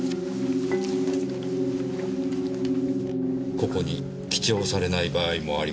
ここに記帳されない場合もありますよねぇ。